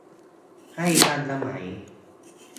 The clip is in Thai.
ให้ทันสมัย